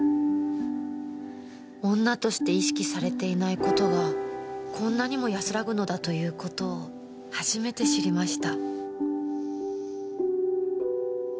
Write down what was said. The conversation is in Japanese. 女として意識されていない事がこんなにも安らぐのだという事を初めて知りました